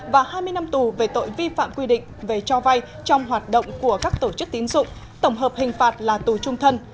và hai mươi năm tù về tội vi phạm quy định về cho vay trong hoạt động của các tổ chức tín dụng tổng hợp hình phạt là tù trung thân